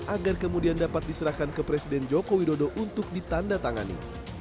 agar kemudian dapat diserahkan ke presiden joko widodo untuk ditanda tangani